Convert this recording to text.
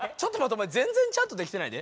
お前全然ちゃんとできてないで。